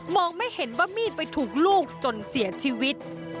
ไม่เห็นว่ามีดไปถูกลูกจนเสียชีวิต